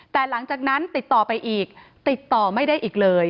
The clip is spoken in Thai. แต่หลังจากนั้นติดต่อไปอีกติดต่อไม่ได้อีกเลย